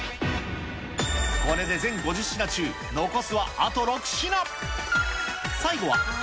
これで全５０品中、残すはあと６品。